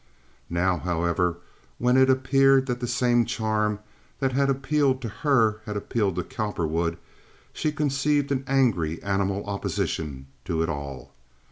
Now, however, when it appeared that the same charm that had appealed to her had appealed to Cowperwood, she conceived an angry, animal opposition to it all.